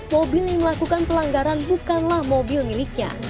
mobil yang melakukan pelanggaran bukanlah mobil miliknya